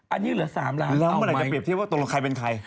อันนี้เหรอ๓ล้านเอาไหมแล้วเมื่อไหร่จะเปรียบที่ว่าตัวละใครเป็นใคร